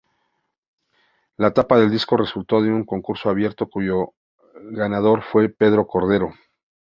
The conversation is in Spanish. La tapa del disco resultó de un concurso abierto, cuyo ganador fue Pedro Cordero.